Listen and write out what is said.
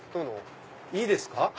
いいですか？